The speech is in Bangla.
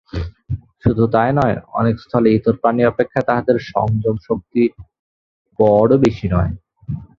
শুধু তাই নয়, অনেক স্থলে ইতর প্রাণী অপেক্ষা তাহাদের সংযম-শক্তি বড় বেশী নয়।